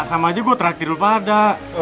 sama aja gue traktir dulu pada